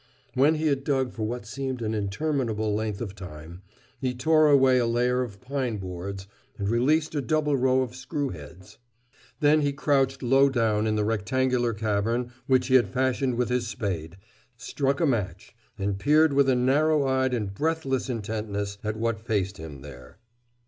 When he had dug for what seemed an interminable length of time, he tore away a layer of pine boards and released a double row of screw heads. Then he crouched low down in the rectangular cavern which he had fashioned with his spade, struck a match, and peered with a narrow eyed and breathless intentness at what faced him there.